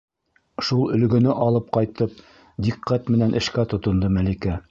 Шул өлгөнө алып ҡайтып, диҡҡәт менән эшкә тотондо Мәликә.